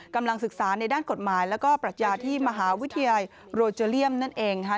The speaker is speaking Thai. กำลังศึกษาในด้านกฎหมายแล้วก็ปรัชญาที่มหาวิทยาลัยโรเจเลียมนั่นเองค่ะ